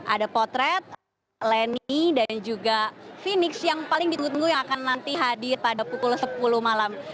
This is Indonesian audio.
ada potret leni dan juga phoenix yang paling ditunggu tunggu yang akan nanti hadir pada pukul sepuluh malam